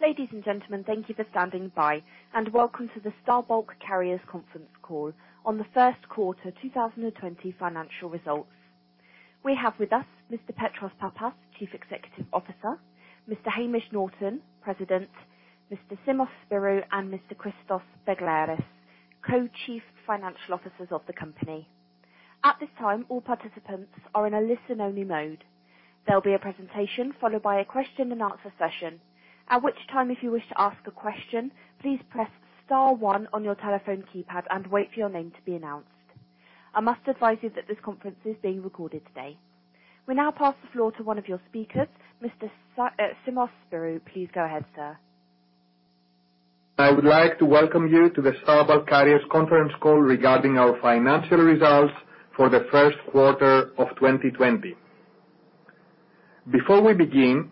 Ladies and gentlemen, thank you for standing by, and welcome to the Star Bulk Carriers Conference Call on the first quarter 2020 financial results. We have with us Mr. Petros Pappas, Chief Executive Officer, Mr. Hamish Norton, President, Mr. Simos Spyrou, and Mr. Christos Begleris, Co-Chief Financial Officers of the company. At this time, all participants are in a listen-only mode. There'll be a presentation followed by a question-and-answer session. At which time, if you wish to ask a question, please press star one on your telephone keypad and wait for your name to be announced. I must advise you that this conference is being recorded today. We now pass the floor to one of your speakers, Mr. Simos Spyrou. Please go ahead, sir. I would like to welcome you to the Star Bulk Carriers Conference Call regarding our financial results for the first quarter of 2020. Before we begin,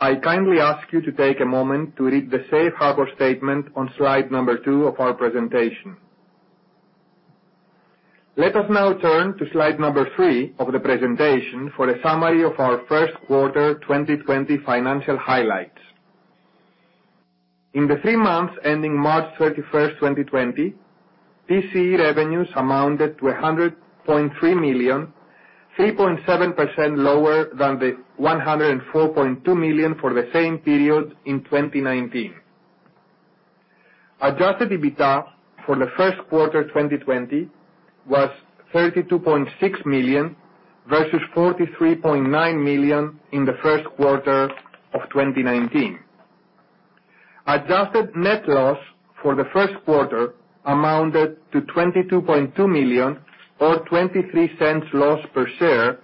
I kindly ask you to take a moment to read the Safe Harbor Statement on slide number two of our presentation. Let us now turn to slide number three of the presentation for a summary of our first quarter 2020 financial highlights. In the three months ending March 31st, 2020, TCE revenues amounted to $100.3 million, 3.7% lower than the $104.2 million for the same period in 2019. Adjusted EBITDA for the first quarter 2020 was $32.6 million versus $43.9 million in the first quarter of 2019. Adjusted Net Loss for the first quarter amounted to $22.2 million, or $0.23 loss per share,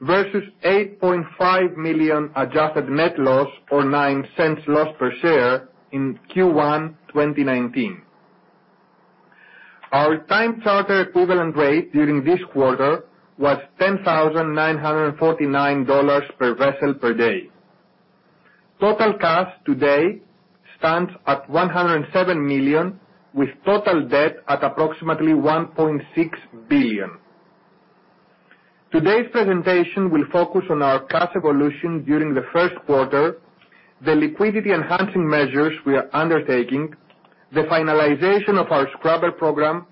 versus $8.5 million Adjusted Net Loss or $0.09 loss per share in Q1 2019. Our Time Charter Equivalent rate during this quarter was $10,949 per vessel per day. Total Cash today stands at $107 million, with total debt at approximately $1.6 billion. Today's presentation will focus on our Cash Evolution during the first quarter, the liquidity enhancing measures we are undertaking, the finalization of our scrubber program,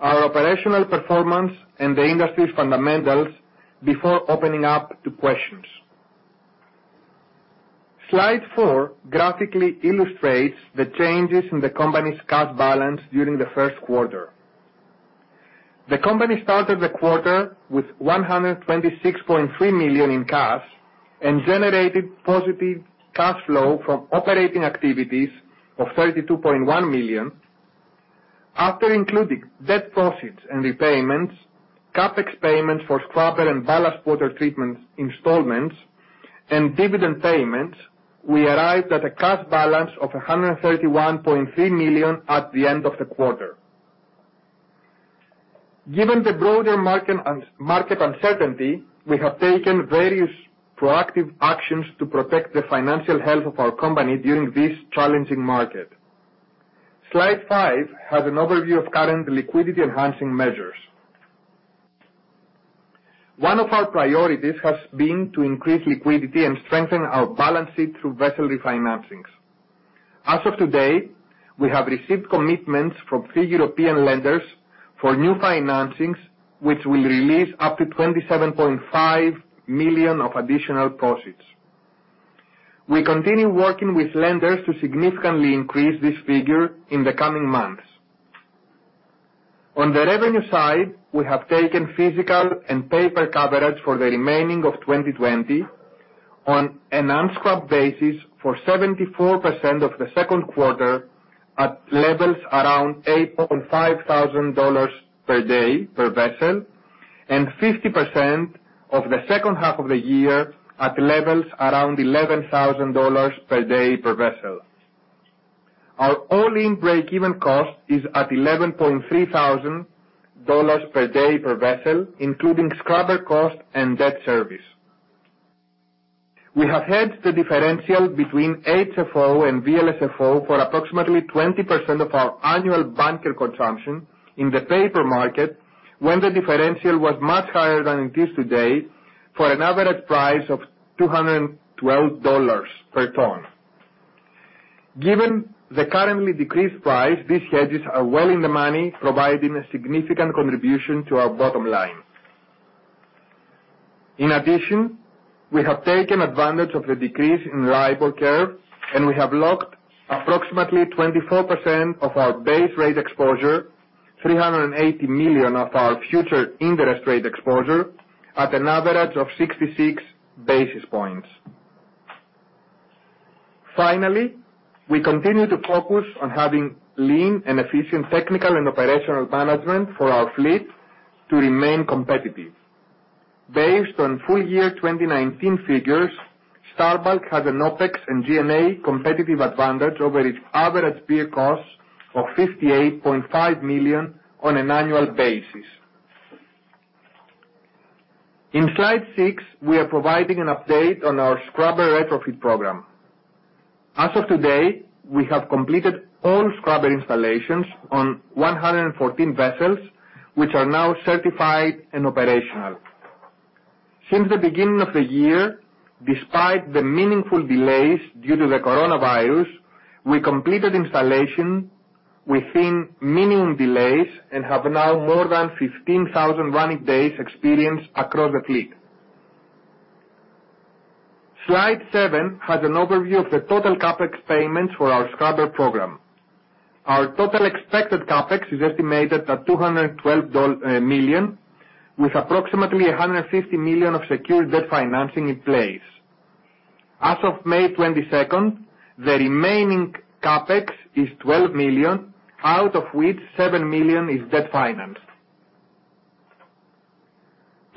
our operational performance, and the industry's fundamentals before opening up to questions. Slide four graphically illustrates the changes in the company's Cash Balance during the first quarter. The company started the quarter with $126.3 million in cash and generated positive cash flow from operating activities of $32.1 million. After including debt proceeds and repayments, CapEx payments for scrubber and ballast water treatment installments, and dividend payments, we arrived at a cash balance of $131.3 million at the end of the quarter. Given the broader market uncertainty, we have taken various proactive actions to protect the financial health of our company during this challenging market. Slide five has an overview of current liquidity enhancing measures. One of our priorities has been to increase liquidity and strengthen our balance sheet through vessel refinancings. As of today, we have received commitments from three European lenders for new financings, which will release up to $27.5 million of additional proceeds. We continue working with lenders to significantly increase this figure in the coming months. On the revenue side, we have taken physical and paper coverage for the remaining of 2020 on an unscrubbed basis for 74% of the second quarter at levels around $8,500 per day per vessel, and 50% of the second half of the year at levels around $11,000 per day per vessel. Our all-in break-even cost is at $11,300 per day per vessel, including scrubber cost and debt service. We have hedged the differential between HFO and VLSFO for approximately 20% of our annual bunker consumption in the paper market, when the differential was much higher than it is today for an average price of $212 per ton. Given the currently decreased price, these hedges are well in the money, providing a significant contribution to our bottom line. In addition, we have taken advantage of the decrease in yield curve, and we have locked approximately 24% of our base rate exposure, 380 million of our future interest rate exposure, at an average of 66 basis points. Finally, we continue to focus on having lean and efficient technical and operational management for our fleet to remain competitive. Based on full year 2019 figures, Star Bulk has an OpEx and G&A competitive advantage over its average peer cost of $58.5 million on an annual basis. In slide six, we are providing an update on our scrubber retrofit program. As of today, we have completed all scrubber installations on 114 vessels, which are now certified and operational. Since the beginning of the year, despite the meaningful delays due to the coronavirus, we completed installation within minimum delays and have now more than 15,000 running days experience across the fleet. Slide seven has an overview of the total CapEx payments for our scrubber program. Our total expected CapEx is estimated at $212 million, with approximately $150 million of secured debt financing in place. As of May 22nd, the remaining CapEx is $12 million, out of which $7 million is debt financed.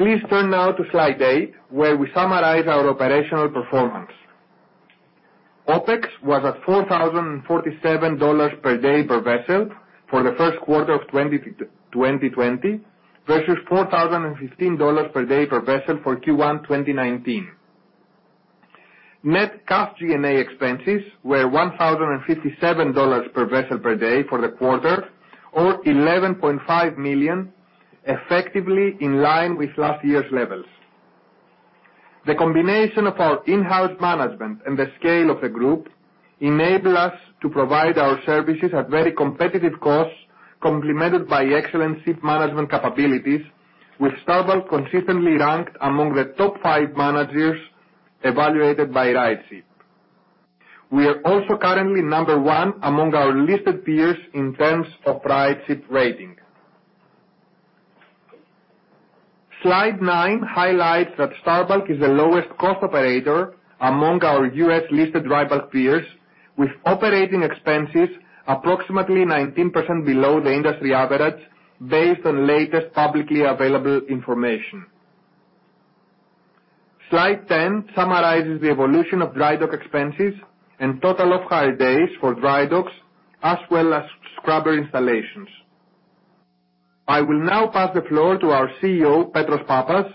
Please turn now to slide eight, where we summarize our operational performance. OpEx was at $4,047 per day per vessel for the first quarter of 2020 versus $4,015 per day per vessel for Q1 2019. Net Cash G&A expenses were $1,057 per vessel per day for the quarter, or $11.5 million, effectively in line with last year's levels. The combination of our in-house management and the scale of the group enables us to provide our services at very competitive costs, complemented by excellent ship management capabilities, with Star Bulk consistently ranked among the top five managers evaluated by RightShip. We are also currently number one among our listed peers in terms of RightShip rating. Slide nine highlights that Star Bulk is the lowest cost operator among our U.S.-listed dry bulk peers, with operating expenses approximately 19% below the industry average based on latest publicly available information. Slide ten summarizes the evolution of dry dock expenses and total off-hire days for dry docks, as well as scrubber installations. I will now pass the floor to our CEO, Petros Pappas,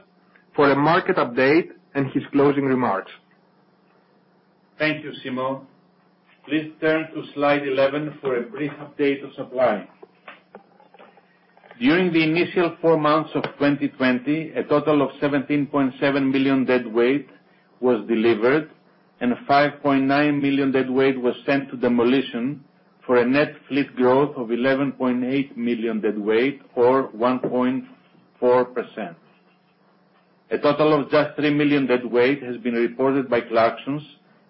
for a market update and his closing remarks. Thank you, Simos. Please turn to slide 11 for a brief update of supply. During the initial four months of 2020, a total of 17.7 million deadweight was delivered, and 5.9 million deadweight was sent to demolition for a net fleet growth of 11.8 million deadweight, or 1.4%. A total of just 3 million deadweight has been reported by Clarksons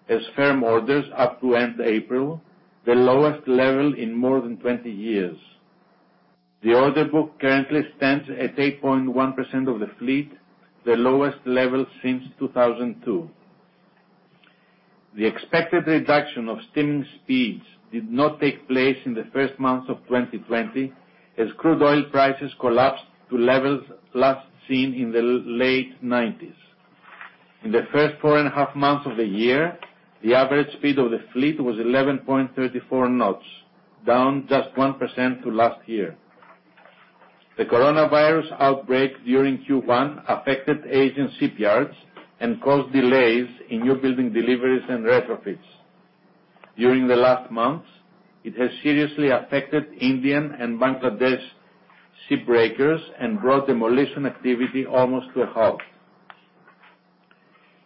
as firm orders up to end April, the lowest level in more than 20 years. The order book currently stands at 8.1% of the fleet, the lowest level since 2002. The expected reduction of steaming speeds did not take place in the first months of 2020, as crude oil prices collapsed to levels last seen in the late 1990s. In the first four and a half months of the year, the average speed of the fleet was 11.34 knots, down just 1% to last year. The coronavirus outbreak during Q1 affected Asian shipyards and caused delays in newbuilding deliveries and retrofits. During the last months, it has seriously affected Indian and Bangladesh shipbreakers and brought demolition activity almost to a halt.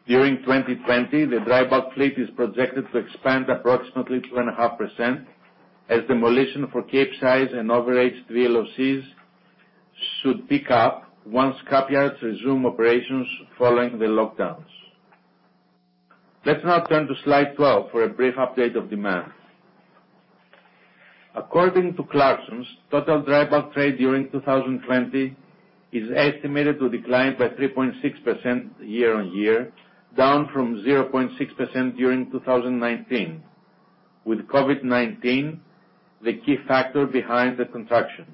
During 2020, the dry bulk fleet is projected to expand approximately 2.5%, as demolition for Capesize and over-aged VLOCs should pick up once shipyards resume operations following the lockdowns. Let's now turn to slide 12 for a brief update of demand. According to Clarksons, total dry bulk trade during 2020 is estimated to decline by 3.6% year on year, down from 0.6% during 2019, with COVID-19 the key factor behind the contraction.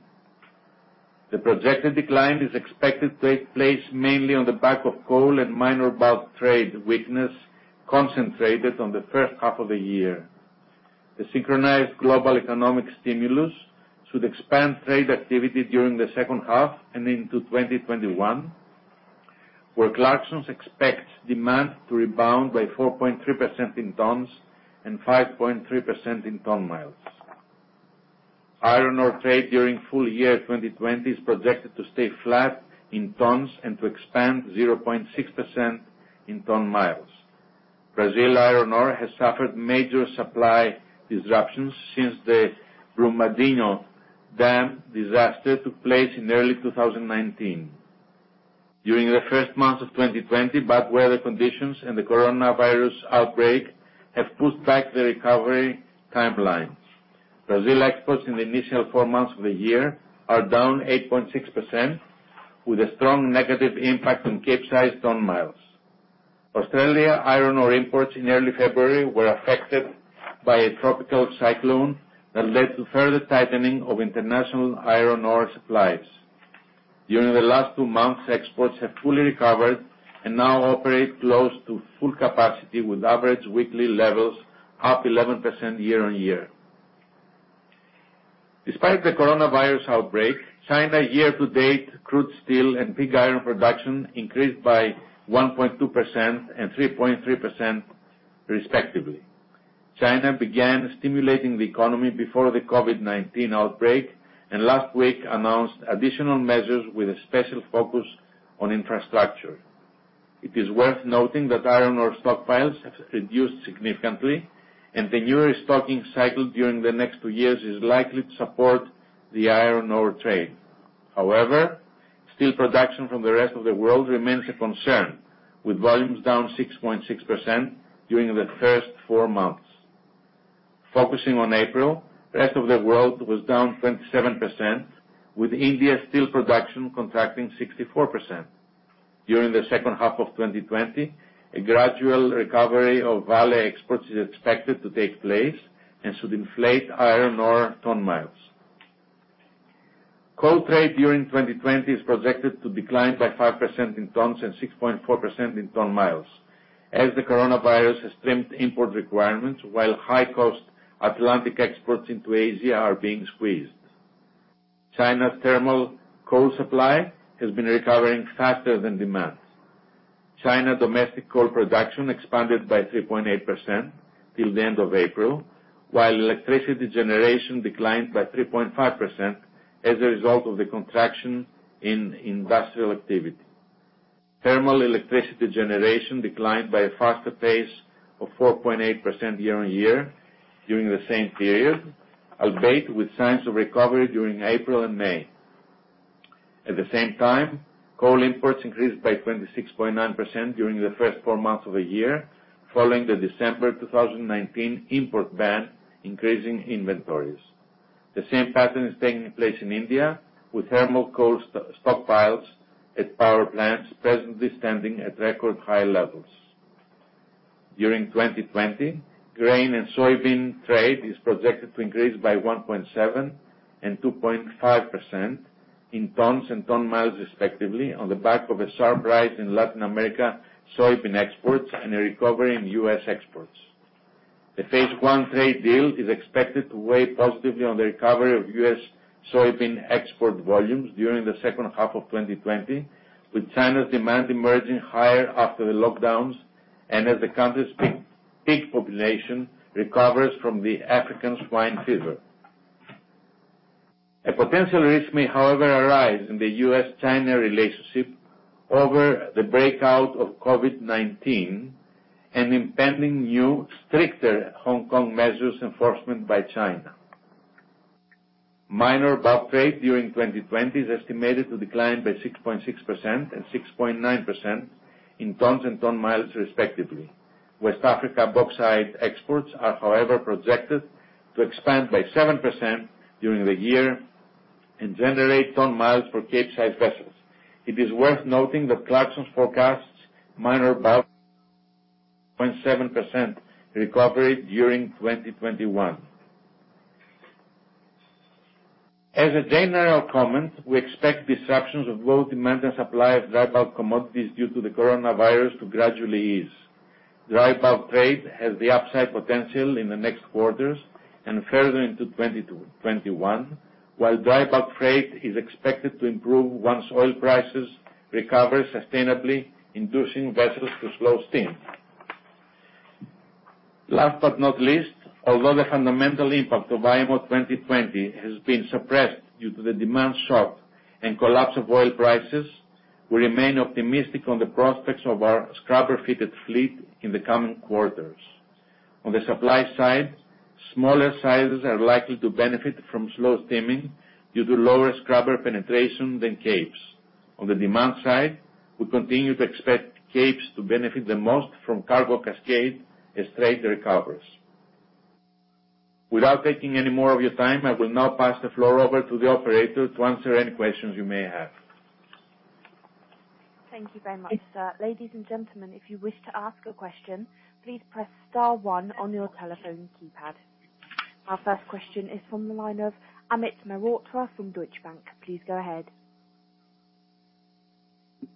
The projected decline is expected to take place mainly on the back of coal and minor bulk trade weakness concentrated on the first half of the year. The synchronized global economic stimulus should expand trade activity during the second half and into 2021, where Clarksons expects demand to rebound by 4.3% in tons and 5.3% in ton miles. Iron ore trade during full year 2020 is projected to stay flat in tons and to expand 0.6% in ton miles. Brazil iron ore has suffered major supply disruptions since the Brumadinho dam disaster took place in early 2019. During the first months of 2020, bad weather conditions and the coronavirus outbreak have pushed back the recovery timeline. Brazil exports in the initial four months of the year are down 8.6%, with a strong negative impact on Capesize ton miles. Australia iron ore imports in early February were affected by a tropical cyclone that led to further tightening of international iron ore supplies. During the last two months, exports have fully recovered and now operate close to full capacity, with average weekly levels up 11% year on year. Despite the coronavirus outbreak, China year to date crude steel and pig iron production increased by 1.2% and 3.3%, respectively. China began stimulating the economy before the COVID-19 outbreak and last week announced additional measures with a special focus on infrastructure. It is worth noting that iron ore stockpiles have reduced significantly, and the new restocking cycle during the next two years is likely to support the iron ore trade. However, steel production from the rest of the world remains a concern, with volumes down 6.6% during the first four months. Focusing on April, the rest of the world was down 27%, with India's steel production contracting 64%. During the second half of 2020, a gradual recovery of Vale exports is expected to take place and should inflate iron ore ton miles. Coal trade during 2020 is projected to decline by 5% in tons and 6.4% in ton miles, as the coronavirus has trimmed import requirements while high-cost Atlantic exports into Asia are being squeezed. China's thermal coal supply has been recovering faster than demand. China's domestic coal production expanded by 3.8% till the end of April, while electricity generation declined by 3.5% as a result of the contraction in industrial activity. Thermal electricity generation declined by a faster pace of 4.8% year on year during the same period, albeit with signs of recovery during April and May. At the same time, coal imports increased by 26.9% during the first four months of the year following the December 2019 import ban increasing inventories. The same pattern is taking place in India, with thermal coal stockpiles at power plants presently standing at record high levels. During 2020, grain and soybean trade is projected to increase by 1.7% and 2.5% in tons and ton miles, respectively, on the back of a sharp rise in Latin America soybean exports and a recovery in U.S. exports. The Phase One trade deal is expected to weigh positively on the recovery of U.S. soybean export volumes during the second half of 2020, with China's demand emerging higher after the lockdowns and as the country's pig population recovers from the African Swine Fever. A potential risk may, however, arise in the U.S.-China relationship over the outbreak of COVID-19 and impending new, stricter Hong Kong measures enforcement by China. Minor bulk trade during 2020 is estimated to decline by 6.6% and 6.9% in tons and ton miles, respectively. West Africa bauxite exports are, however, projected to expand by 7% during the year and generate ton miles for Capesize vessels. It is worth noting that Clarksons forecasts minor bulk 0.7% recovery during 2021. As a general comment, we expect disruptions of both demand and supply of dry bulk commodities due to the coronavirus to gradually ease. Dry bulk trade has the upside potential in the next quarters and further into 2021, while dry bulk trade is expected to improve once oil prices recover sustainably, inducing vessels to slow steaming. Last but not least, although the fundamental impact of IMO 2020 has been suppressed due to the demand shock and collapse of oil prices, we remain optimistic on the prospects of our scrubber-fitted fleet in the coming quarters. On the supply side, smaller sizes are likely to benefit from slow steaming due to lower scrubber penetration than capes. On the demand side, we continue to expect capes to benefit the most from cargo cascade as trade recovers. Without taking any more of your time, I will now pass the floor over to the operator to answer any questions you may have. Thank you very much. Ladies and gentlemen, if you wish to ask a question, please press star one on your telephone keypad. Our first question is from the line of Amit Mehrotra from Deutsche Bank. Please go ahead.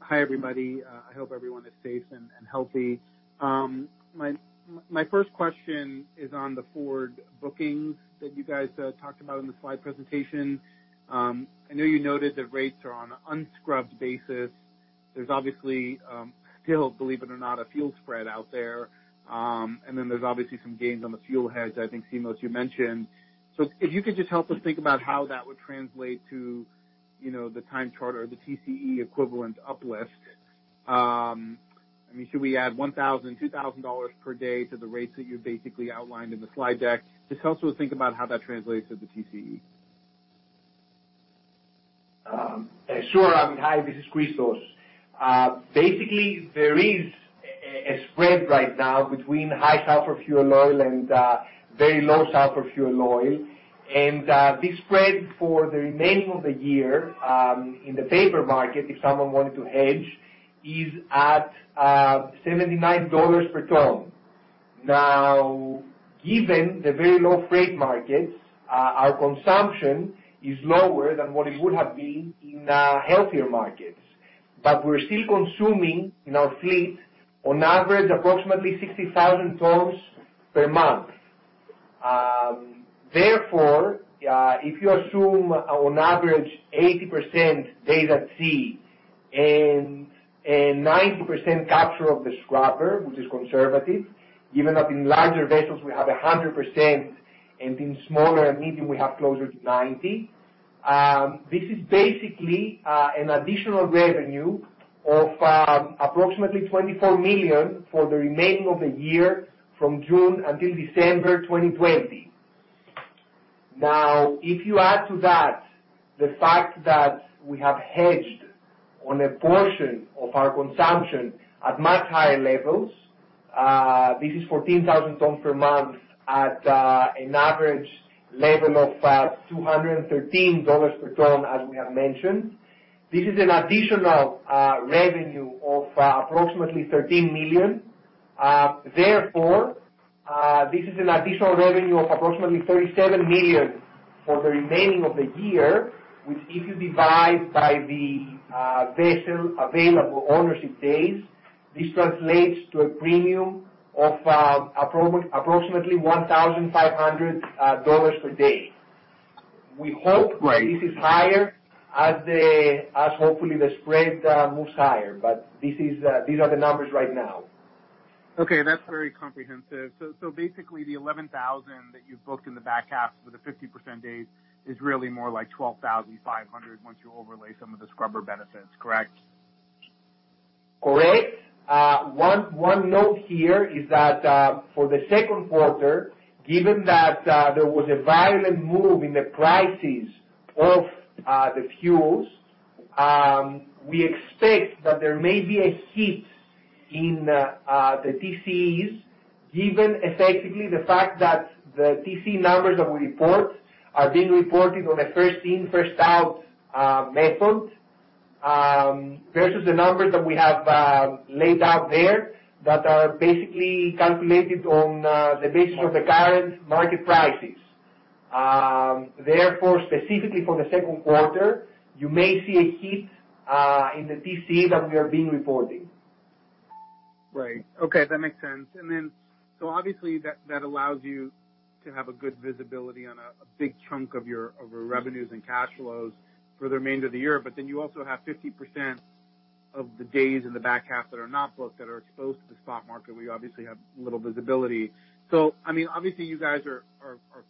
Hi, everybody. I hope everyone is safe and healthy. My first question is on the forward bookings that you guys talked about in the slide presentation. I know you noted the rates are on an unscrubbed basis. There's obviously still, believe it or not, a fuel spread out there. And then there's obviously some gains on the fuel hedges, I think, Simos, as you mentioned. So if you could just help us think about how that would translate to the time charter or the TCE equivalent uplift. I mean, should we add $1,000, $2,000 per day to the rates that you basically outlined in the slide deck? Just help us think about how that translates to the TCE. Sure. Hi, this is Christos. Basically, there is a spread right now between high sulfur fuel oil and very low sulfur fuel oil. And this spread for the remaining of the year in the paper market, if someone wanted to hedge, is at $79 per ton. Now, given the very low freight markets, our consumption is lower than what it would have been in healthier markets. But we're still consuming in our fleet, on average, approximately 60,000 tons per month. Therefore, if you assume, on average, 80% days at sea and 90% capture of the scrubber, which is conservative, given that in larger vessels we have 100% and in smaller and medium we have closer to 90%, this is basically an additional revenue of approximately $24 million for the remaining of the year from June until December 2020. Now, if you add to that the fact that we have hedged on a portion of our consumption at much higher levels, this is 14,000 tons per month at an average level of $213 per ton, as we have mentioned. This is an additional revenue of approximately $13 million. Therefore, this is an additional revenue of approximately $37 million for the remaining of the year, which, if you divide by the vessel available ownership days, this translates to a premium of approximately $1,500 per day. We hope this is higher as, hopefully, the spread moves higher, but these are the numbers right now. Okay. That's very comprehensive. So basically, the 11,000 that you've booked in the back half with the 50% days is really more like 12,500 once you overlay some of the scrubber benefits, correct? Correct. One note here is that for the second quarter, given that there was a violent move in the prices of the fuels, we expect that there may be a hit in the TCEs given, effectively, the fact that the TCE numbers that we report are being reported on a first-in, first-out method versus the numbers that we have laid out there that are basically calculated on the basis of the current market prices. Therefore, specifically for the second quarter, you may see a hit in the TCE that we are being reporting. Right. Okay. That makes sense. And then, so obviously, that allows you to have a good visibility on a big chunk of your revenues and cash flows for the remainder of the year, but then you also have 50% of the days in the back half that are not booked that are exposed to the spot market where you obviously have little visibility. So, I mean, obviously, you guys are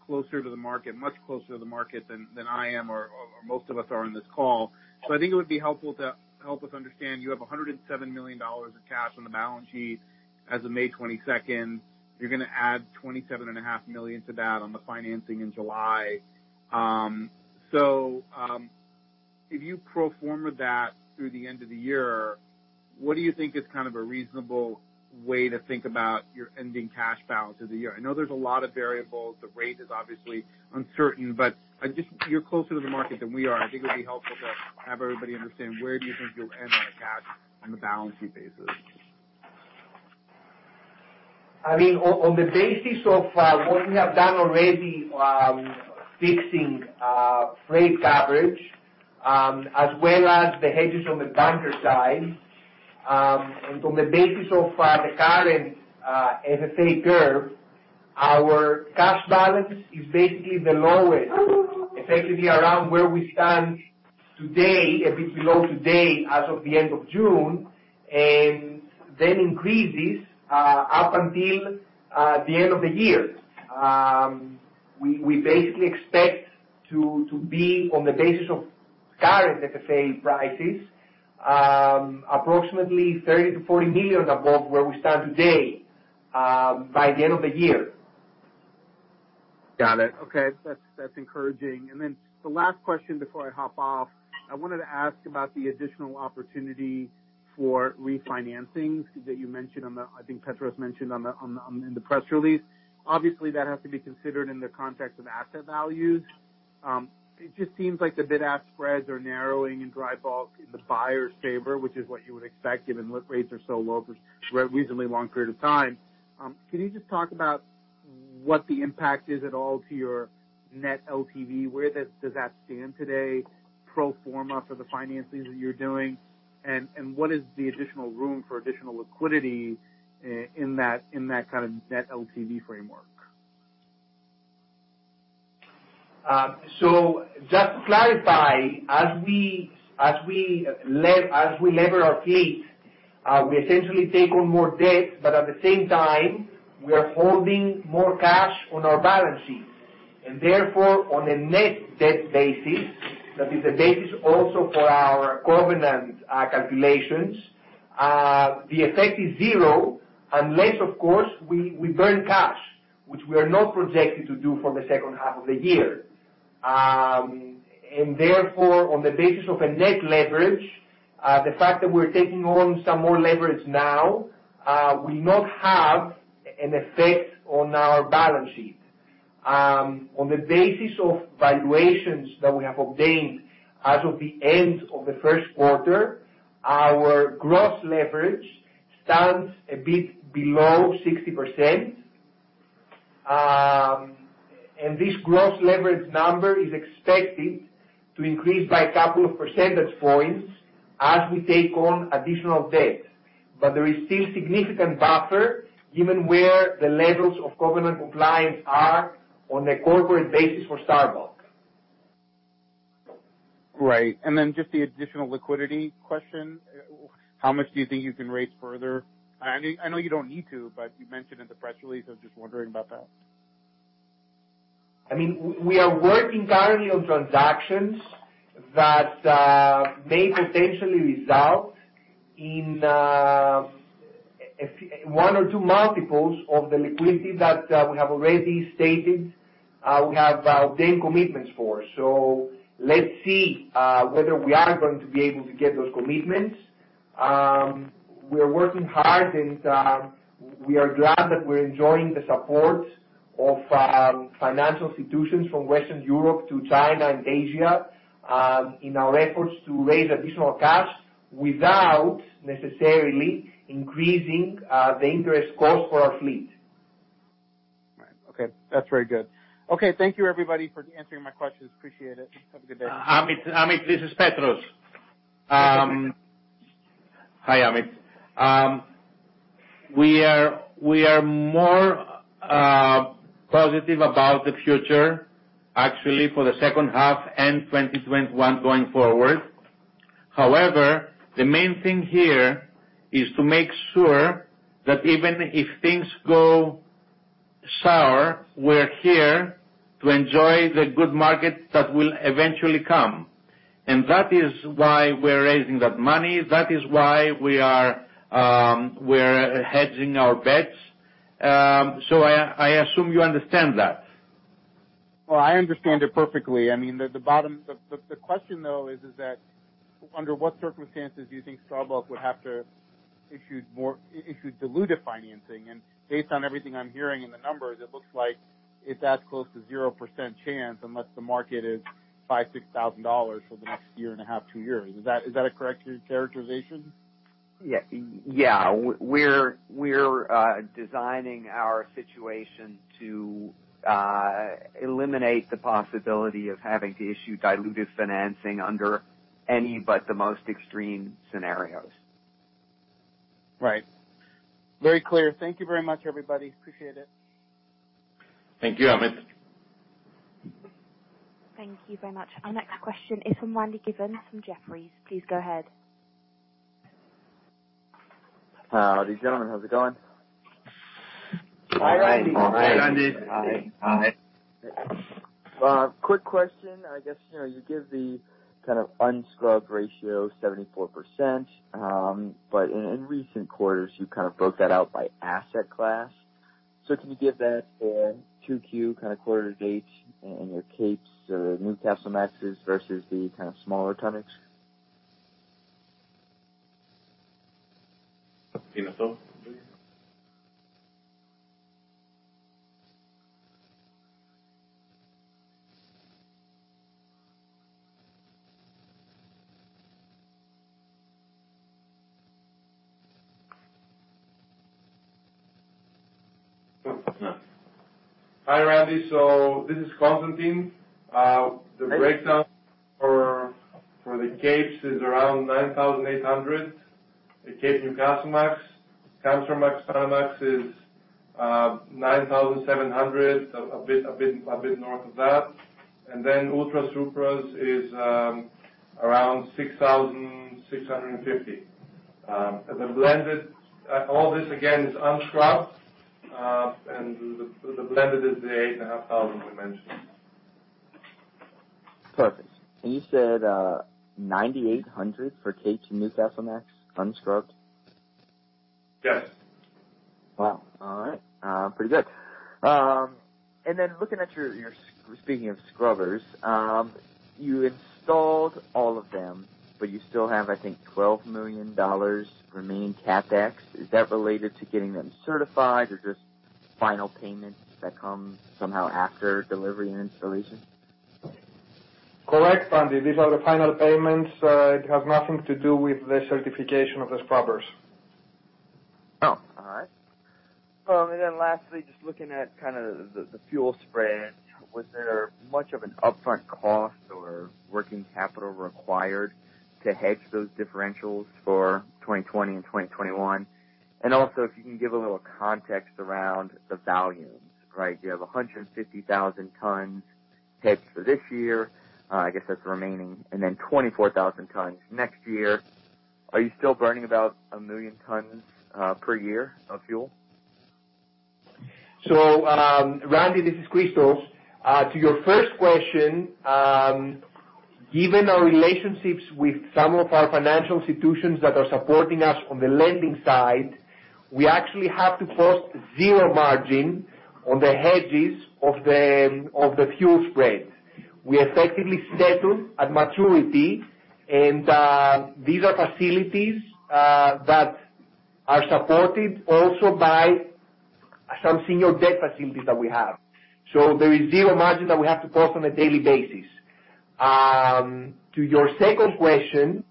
closer to the market, much closer to the market than I am or most of us are in this call. So I think it would be helpful to help us understand you have $107 million of cash on the balance sheet as of May 22nd. You're going to add $27.5 million to that on the financing in July. So if you perform with that through the end of the year, what do you think is kind of a reasonable way to think about your ending cash balance of the year? I know there's a lot of variables. The rate is obviously uncertain, but you're closer to the market than we are. I think it would be helpful to have everybody understand where do you think you'll end on cash on the balance sheet basis. I mean, on the basis of what we have done already, fixing freight coverage as well as the hedges on the bunker side, and on the basis of the current FFA curve, our cash balance is basically the lowest, effectively around where we stand today, a bit below today as of the end of June, and then increases up until the end of the year. We basically expect to be, on the basis of current FFA prices, approximately $30-$40 million above where we stand today by the end of the year. Got it. Okay. That's encouraging, and then the last question before I hop off, I wanted to ask about the additional opportunity for refinancing that you mentioned on the, I think Petros mentioned on the press release. Obviously, that has to be considered in the context of asset values. It just seems like the bid-ask spreads are narrowing in dry bulk in the buyer's favor, which is what you would expect given what rates are so low for a reasonably long period of time. Can you just talk about what the impact is at all to your net LTV? Where does that stand today pro forma for the financing that you're doing, and what is the additional room for additional liquidity in that kind of net LTV framework? So just to clarify, as we leverage our fleet, we essentially take on more debt, but at the same time, we are holding more cash on our balance sheet. And therefore, on a net debt basis, that is the basis also for our covenant calculations, the effect is zero unless, of course, we burn cash, which we are not projected to do for the second half of the year. And therefore, on the basis of a net leverage, the fact that we're taking on some more leverage now will not have an effect on our balance sheet. On the basis of valuations that we have obtained as of the end of the first quarter, our gross leverage stands a bit below 60%. And this gross leverage number is expected to increase by a couple of percentage points as we take on additional debt. But there is still significant buffer given where the levels of covenant compliance are on a corporate basis for Star Bulk. Right. And then just the additional liquidity question. How much do you think you can raise further? I know you don't need to, but you mentioned in the press release. I was just wondering about that. I mean, we are working currently on transactions that may potentially result in one or two multiples of the liquidity that we have already stated we have obtained commitments for. So let's see whether we are going to be able to get those commitments. We are working hard, and we are glad that we're enjoying the support of financial institutions from Western Europe to China and Asia in our efforts to raise additional cash without necessarily increasing the interest cost for our fleet. Right. Okay. That's very good. Okay. Thank you, everybody, for answering my questions. Appreciate it. Have a good day. Amit. Amit. This is Petros. Hi, Amit. Hi. We are more positive about the future, actually, for the second half and 2021 going forward. However, the main thing here is to make sure that even if things go sour, we're here to enjoy the good market that will eventually come. And that is why we're raising that money. That is why we are hedging our bets. So I assume you understand that. I understand it perfectly. I mean, the question, though, is that under what circumstances do you think Star Bulk would have to issue diluted financing? And based on everything I'm hearing in the numbers, it looks like it's at close to 0% chance unless the market is $5,000-$6,000 for the next year and a half, two years. Is that a correct characterization? Yeah. We're designing our situation to eliminate the possibility of having to issue dilutive financing under any but the most extreme scenarios. Right. Very clear. Thank you very much, everybody. Appreciate it. Thank you, Amit. Thank you very much. Our next question is from Randy Giveans from Jefferies. Please go ahead. Hi, Randy. Hi, Randy. How's it going? Hi, Randy. Hi, Randy. Hi. Hi. Quick question. I guess you give the kind of unscrubbed ratio 74%, but in recent quarters, you kind of broke that out by asset class. So can you give that for 2Q kind of quarter-to-date and your Capesize or Newcastlemaxes versus the kind of smaller tonners? Hi, Randy. So this is Constantine. The breakdown for the capes is around 9,800. The Capesize Newcastlemax. Kamsarmax Panamax is 9,700, a bit north of that. And then Ultramax Supramax is around 6,650. The blended, all this again is unscrubbed, and the blended is the 8,500 we mentioned. Perfect, and you said 9,800 for Capesize Newcastlemax unscrubbed? Yes. Wow. All right. Pretty good. And then looking at your, speaking of scrubbers, you installed all of them, but you still have, I think, $12 million remaining CapEx. Is that related to getting them certified or just final payments that come somehow after delivery and installation? Correct, Randy. These are the final payments. It has nothing to do with the certification of the scrubbers. Oh. All right. And then lastly, just looking at kind of the fuel spread, was there much of an upfront cost or working capital required to hedge those differentials for 2020 and 2021? And also, if you can give a little context around the volumes, right? You have 150,000 tons hedged for this year. I guess that's the remaining. And then 24,000 tons next year. Are you still burning about a million tons per year of fuel? Randy, this is Christos. To your first question, given our relationships with some of our financial institutions that are supporting us on the lending side, we actually have to post zero margin on the hedges of the fuel spread. We effectively settle at maturity, and these are facilities that are supported also by some senior debt facilities that we have. So there is zero margin that we have to post on a daily basis. To your second question,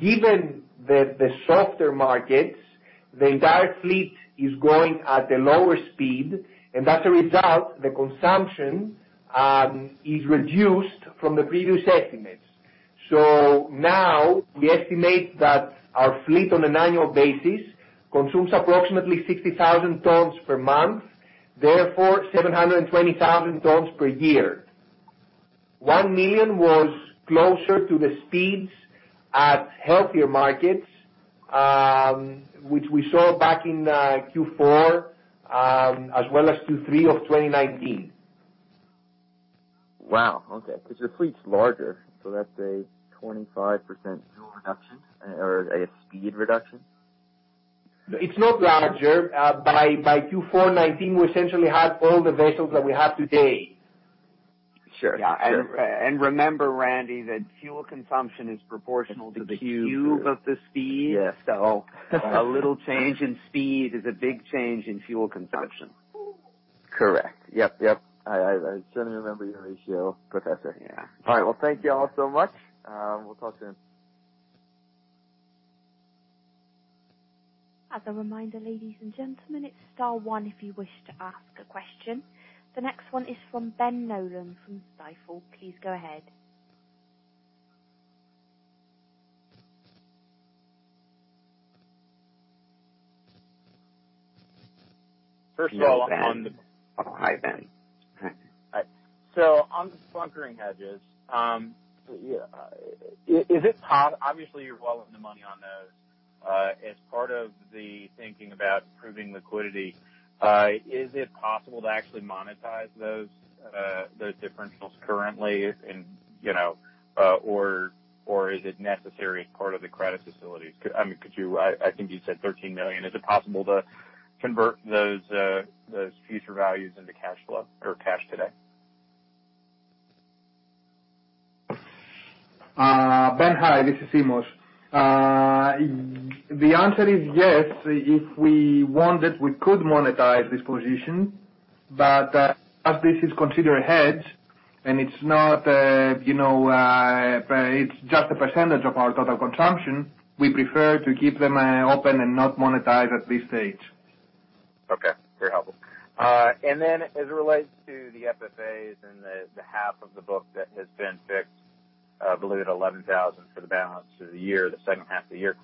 given the softer markets, the entire fleet is going at a lower speed, and as a result, the consumption is reduced from the previous estimates. So now we estimate that our fleet on an annual basis consumes approximately 60,000 tons per month, therefore 720,000 tons per year. 1 million was closer to the speeds at healthier markets, which we saw back in Q4 as well as Q3 of 2019. Wow. Okay. Because your fleet's larger, so that's a 25% fuel reduction or a speed reduction? It's not larger. By Q4 2019, we essentially had all the vessels that we have today. Sure. And remember, Randy, that fuel consumption is proportional to Q. The cube of the speed. Yeah. A little change in speed is a big change in fuel consumption. Correct. Yep, yep. I certainly remember your ratio, Professor. Yeah. All right. Well, thank you all so much. We'll talk soon. As a reminder, ladies and gentlemen, it's star one if you wish to ask a question. The next one is from Ben Nolan from Stifel. Please go ahead. First of all, on. Hi, Ben. Hi, so on the bunkering hedges, is it possible, obviously, you're losing money on those, as part of the thinking about improving liquidity, is it possible to actually monetize those differentials currently? Or is it necessary as part of the credit facilities? I mean, I think you said $13 million. Is it possible to convert those future values into cash flow or cash today? Ben, hi. This is Simos. The answer is yes. If we wanted, we could monetize this position, but as this is considered a hedge, and it's not, it's just a percentage of our total consumption, we prefer to keep them open and not monetize at this stage. Okay. Very helpful. And then as it relates to the FFAs and the half of the book that has been fixed, at $11,000 for the balance of the year, the second half of the year,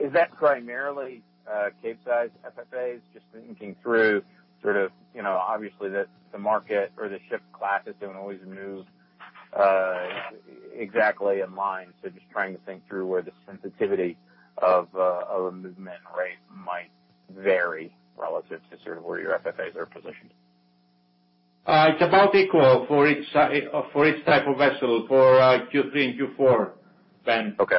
is that primarily Capesize FFAs? Just thinking through sort of, obviously, the market or the ship classes don't always move exactly in line. So just trying to think through where the sensitivity of a movement rate might vary relative to sort of where your FFAs are positioned. It's about equal for each type of vessel for Q3 and Q4, Ben. Okay.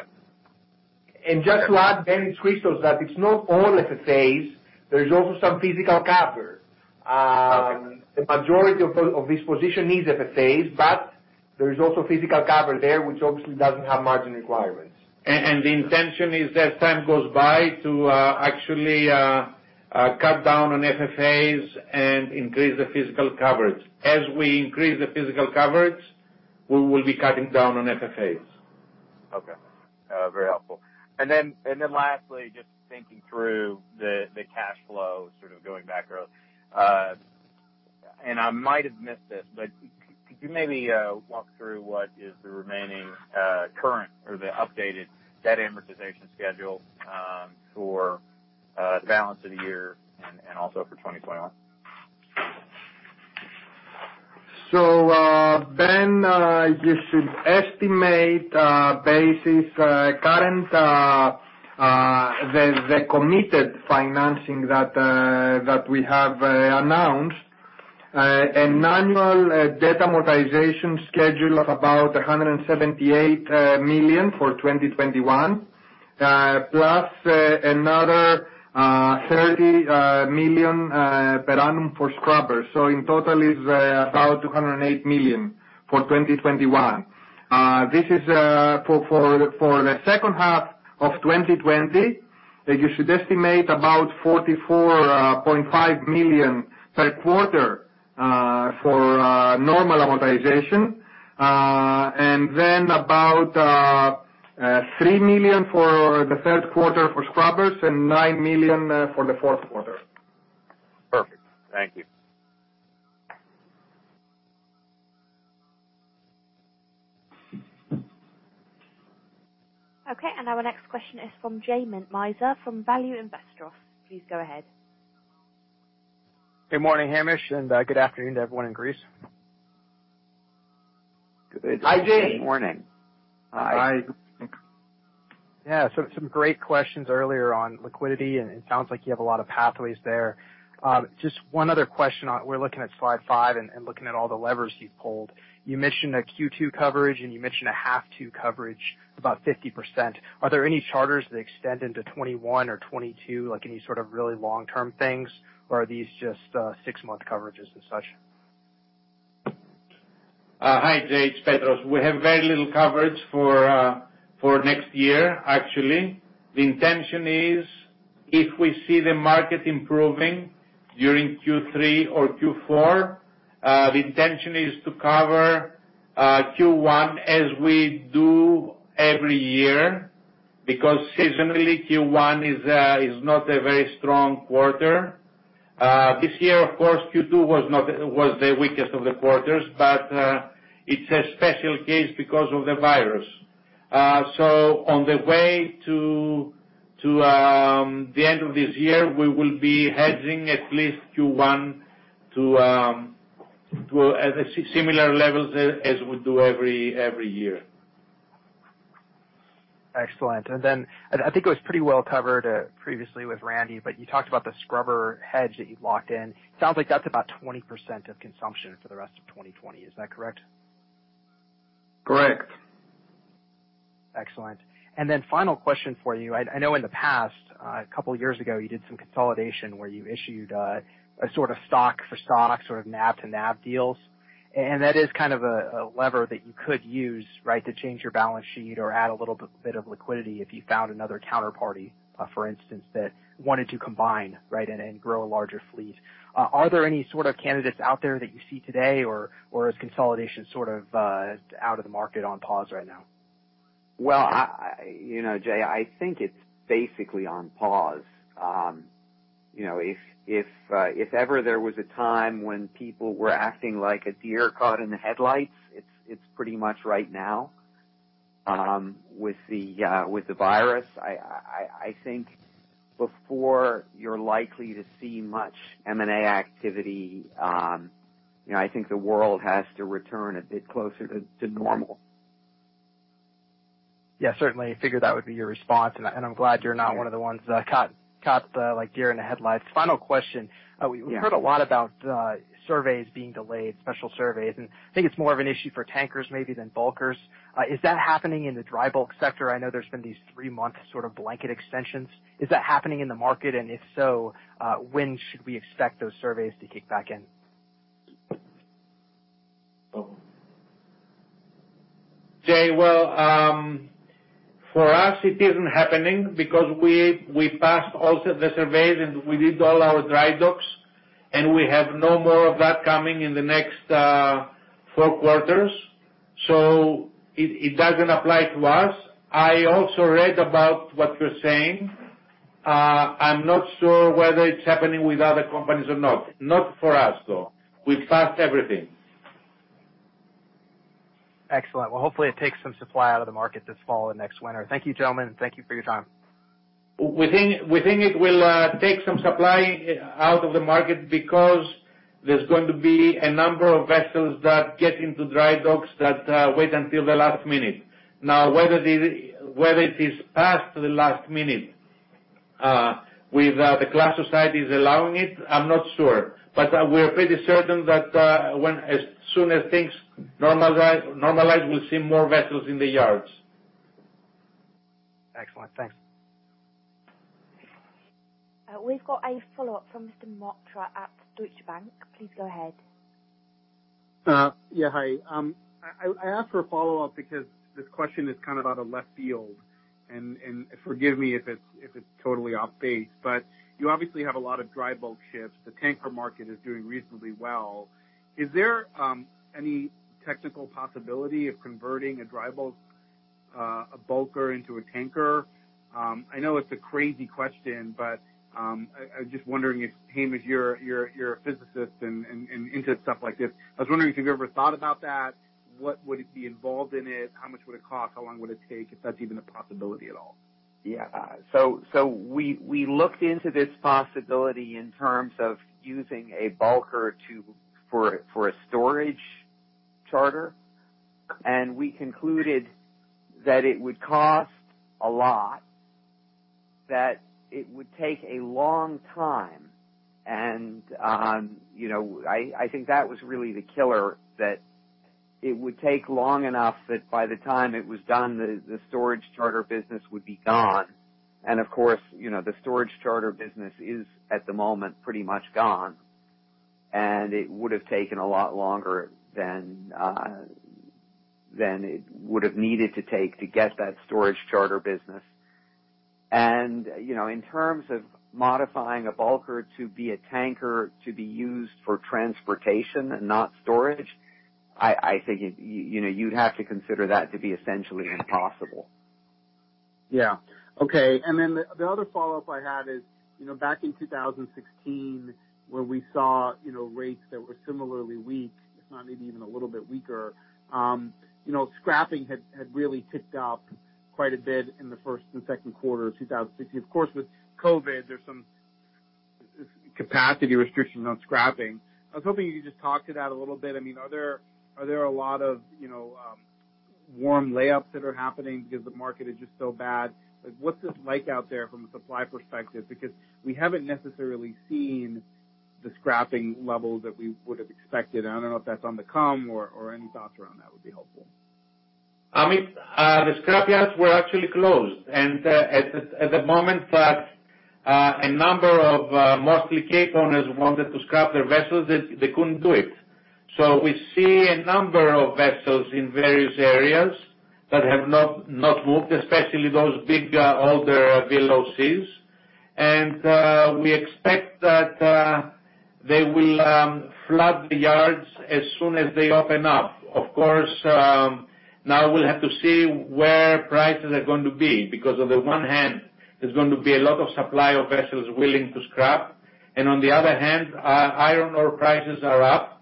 And just to add, Ben, it's Christos that it's not all FFAs. There's also some physical cover. The majority of this position is FFAs, but there's also physical cover there, which obviously doesn't have margin requirements. The intention is, as time goes by, to actually cut down on FFAs and increase the physical coverage. As we increase the physical coverage, we will be cutting down on FFAs. Okay. Very helpful. And then lastly, just thinking through the cash flow sort of going back early. And I might have missed this, but could you maybe walk through what is the remaining current or the updated debt amortization schedule for the balance of the year and also for 2021? Ben, you should estimate based on the committed financing that we have announced, an annual debt amortization schedule of about $178 million for 2021, plus another $30 million per annum for scrubbers. In total, it's about $208 million for 2021. This is for the second half of 2020. You should estimate about $44.5 million per quarter for normal amortization, and then about $3 million for the third quarter for scrubbers and $9 million for the fourth quarter. Perfect. Thank you. Okay. And our next question is from J Mintzmyer from Value Investor's. Please go ahead. Good morning, Hamish, and good afternoon to everyone in Greece. Hi, J. Good morning. Hi. Yeah. Some great questions earlier on liquidity, and it sounds like you have a lot of pathways there. Just one other question. We're looking at slide five and looking at all the levers you've pulled. You mentioned a Q2 coverage, and you mentioned a half Q coverage, about 50%. Are there any charters that extend into 2021 or 2022, like any sort of really long-term things, or are these just six-month coverages and such? Hi, J, Petros. We have very little coverage for next year, actually. The intention is, if we see the market improving during Q3 or Q4, the intention is to cover Q1 as we do every year because seasonally, Q1 is not a very strong quarter. This year, of course, Q2 was the weakest of the quarters, but it's a special case because of the virus. So on the way to the end of this year, we will be hedging at least Q1 to similar levels as we do every year. Excellent. And then I think it was pretty well covered previously with Randy, but you talked about the scrubber hedge that you've locked in. It sounds like that's about 20% of consumption for the rest of 2020. Is that correct? Correct. Excellent, and then final question for you. I know in the past, a couple of years ago, you did some consolidation where you issued a sort of stock-for-stock sort of NAV-to-NAV deals, and that is kind of a lever that you could use, right, to change your balance sheet or add a little bit of liquidity if you found another counterparty, for instance, that wanted to combine, right, and grow a larger fleet. Are there any sort of candidates out there that you see today or is consolidation sort of out of the market on pause right now? J, I think it's basically on pause. If ever there was a time when people were acting like a deer caught in the headlights, it's pretty much right now with the virus. I think before you're likely to see much M&A activity, I think the world has to return a bit closer to normal. Yeah. Certainly. I figured that would be your response, and I'm glad you're not one of the ones that caught the deer in the headlights. Final question. We've heard a lot about surveys being delayed, special surveys, and I think it's more of an issue for tankers maybe than bulkers. Is that happening in the dry bulk sector? I know there's been these three-month sort of blanket extensions. Is that happening in the market? And if so, when should we expect those surveys to kick back in? J, well, for us, it isn't happening because we passed also the surveys and we did all our dry docks, and we have no more of that coming in the next four quarters. So it doesn't apply to us. I also read about what you're saying. I'm not sure whether it's happening with other companies or not. Not for us, though. We've passed everything. Excellent. Well, hopefully, it takes some supply out of the market this fall and next winter. Thank you, gentlemen. Thank you for your time. We think it will take some supply out of the market because there's going to be a number of vessels that get into dry docks that wait until the last minute. Now, whether it is passed to the last minute with the class societies allowing it, I'm not sure. But we're pretty certain that as soon as things normalize, we'll see more vessels in the yards. Excellent. Thanks. We've got a follow-up from Mr. Mehrotra at Deutsche Bank. Please go ahead. Yeah. Hi. I asked for a follow-up because this question is kind of out of left field, and forgive me if it's totally off base, but you obviously have a lot of dry bulk ships. The tanker market is doing reasonably well. Is there any technical possibility of converting a dry bulk bulker into a tanker? I know it's a crazy question, but I'm just wondering if, Hamish, you're a physicist and into stuff like this. I was wondering if you've ever thought about that. What would be involved in it? How much would it cost? How long would it take if that's even a possibility at all? Yeah, so we looked into this possibility in terms of using a bulker for a storage charter, and we concluded that it would cost a lot, that it would take a long time, and I think that was really the killer, that it would take long enough that by the time it was done, the storage charter business would be gone. Of course, the storage charter business is at the moment pretty much gone, and it would have taken a lot longer than it would have needed to take to get that storage charter business. In terms of modifying a bulker to be a tanker to be used for transportation and not storage, I think you'd have to consider that to be essentially impossible. Yeah. Okay. And then the other follow-up I had is back in 2016, where we saw rates that were similarly weak, if not maybe even a little bit weaker. Scrapping had really ticked up quite a bit in the first and second quarter of 2016. Of course, with COVID, there's some capacity restrictions on scrapping. I was hoping you could just talk to that a little bit. I mean, are there a lot of warm layups that are happening because the market is just so bad? What's it like out there from a supply perspective? Because we haven't necessarily seen the scrapping levels that we would have expected. And I don't know if that's on the come or any thoughts around that would be helpful. The scrapyards were actually closed. And at the moment, a number of mostly Capesize owners wanted to scrap their vessels. They couldn't do it. So we see a number of vessels in various areas that have not moved, especially those big older VLOCs. And we expect that they will flood the yards as soon as they open up. Of course, now we'll have to see where prices are going to be because, on the one hand, there's going to be a lot of supply of vessels willing to scrap. And on the other hand, iron ore prices are up.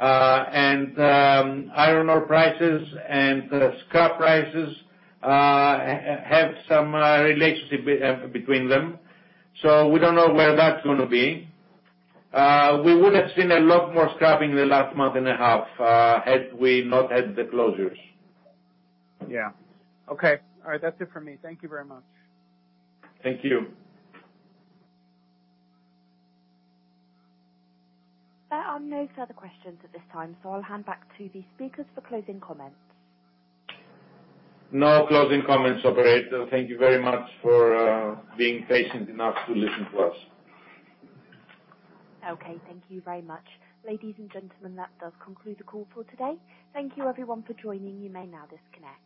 And iron ore prices and scrap prices have some relationship between them. So we don't know where that's going to be. We would have seen a lot more scrapping in the last month and a half had we not had the closures. Yeah. Okay. All right. That's it for me. Thank you very much. Thank you. There are no further questions at this time, so I'll hand back to the speakers for closing comments. No closing comments, operator. Thank you very much for being patient enough to listen to us. Okay. Thank you very much. Ladies and gentlemen, that does conclude the call for today. Thank you, everyone, for joining. You may now disconnect.